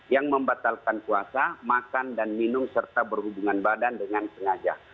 yang membatalkan puasa makan dan minum serta berhubungan badan dengan sengaja